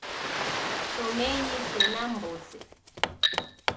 Shomenyi sena mmbose